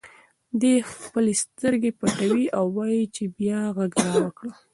دی خپلې سترګې پټوي او وایي چې بیا غږ راوکړه.